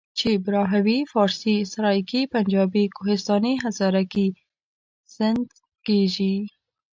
پښتو، بلوچي، براهوي، فارسي، سرایکي، پنجابي، کوهستاني، هزارګي، سندهي..ویل کېژي.